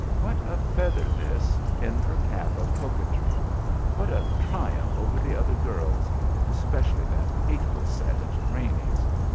What a feather this in her cap of coquetry! What a triumph over the other girls, especially that hateful set at Craney's!